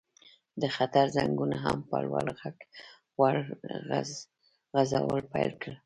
د خطر زنګونو هم په لوړ غږ غږول پیل کړل